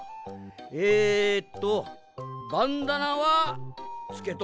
えとバンダナはつけとる。